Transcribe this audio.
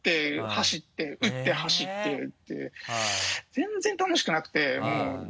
全然楽しくなくて。